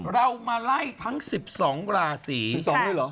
เรามาไล่ทั้ง๑๒ราศี๑๒เลยเหรอ